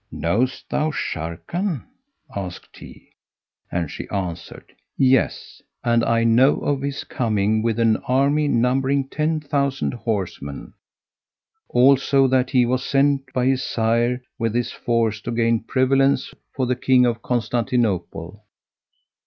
"Knowest thou Sharrkan?" asked he; and she answered "Yes! and I know of his coming with an army numbering ten thousand horsemen; also that he was sent by his sire with this force to gain prevalence for the King of Constantinople."